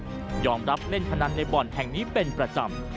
ออกไม้จับยอมรับเล่นพนันในบอลแห่งนี้เป็นประจำ